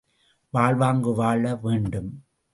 வாழ்வாங்கு வாழ வேண்டும்.